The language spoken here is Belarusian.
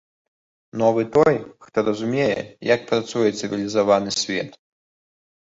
Новы той, хто разумее, як працуе цывілізаваны свет.